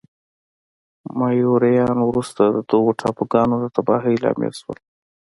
مایوریان وروسته د دغو ټاپوګانو د تباهۍ لامل شول.